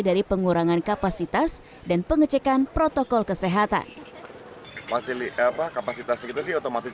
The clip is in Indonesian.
dari pengurangan kapasitas dan pengecekan protokol kesehatan pasti apa kapasitas kita sih otomatis